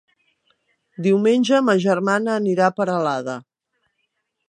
Diumenge ma germana anirà a Peralada.